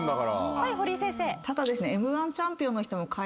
はい堀井先生。